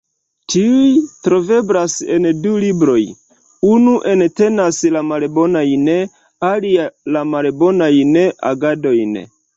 Tiuj troveblas en du libroj: unu entenas la bonajn alia la malbonajn agadojn.